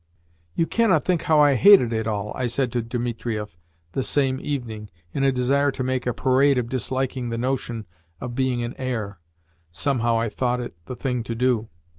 "You cannot think how I hated it all!" I said to Dimitrieff the same evening, in a desire to make a parade of disliking the notion of being an heir (somehow I thought it the thing to do).